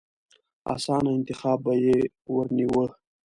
اسانه انتخاب به يې ورنيوه.